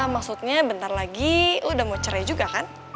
maksudnya bentar lagi udah mau cerai juga kan